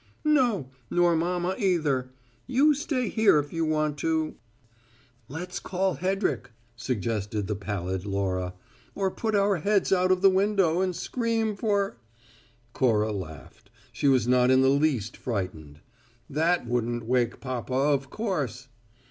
"No, nor mamma either. You stay here if you want to " "Let's call Hedrick," suggested the pallid Laura; "or put our heads out of the window and scream for " Cora laughed; she was not in the least frightened. "That wouldn't wake papa, of course!